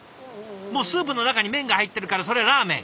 もうスープの中に麺が入ってるからそれラーメン！